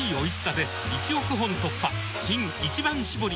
新「一番搾り」